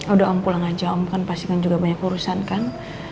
udah om pulang aja om kan pasti kan juga banyak urusan kan